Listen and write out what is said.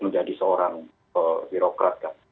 menjadi seorang birokrat